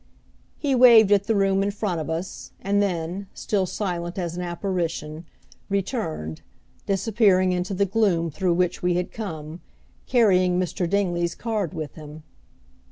He waved at the room in front of us, and then, still silent as an apparition, returned, disappearing into the gloom through which we had come, carrying Mr. Dingley's card with him.